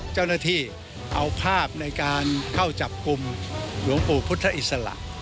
เจ้าหน้าที่เอาภาพในการเข้าจับกลุ่มหลวงปู่พุทธอิสระ